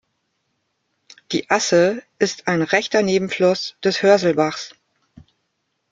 Die Asse ist ein rechter Nebenfluss des Hörsel-Bachs.